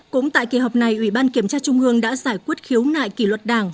cũng tại kỳ họp này ủy ban kiểm tra trung ương đã giải quyết khiếu nại kỷ luật đảng